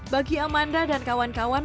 bagi amanda dan kawan kawan